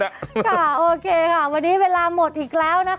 ค่ะโอเคค่ะวันนี้เวลาหมดอีกแล้วนะคะ